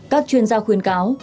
các chuyên gia khuyên cáo